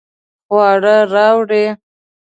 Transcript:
خواړه راوړئ